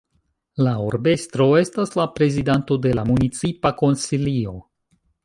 La urbestro estas la prezidanto de la Municipa Konsilio.